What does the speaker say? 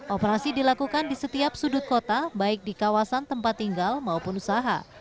operasi dilakukan di setiap sudut kota baik di kawasan tempat tinggal maupun usaha